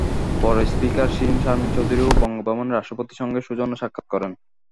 পরে স্পিকার শিরীন শারমিন চৌধুরীও বঙ্গভবনে রাষ্ট্রপতির সঙ্গে সৌজন্য সাক্ষাত্ করেন।